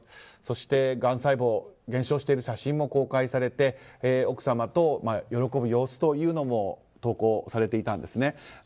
そして、がん細胞が減少している写真も公開されて奥様と喜ぶ様子も投稿されていたんです。